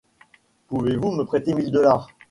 Pouvez-vous me prêter mille dollars ?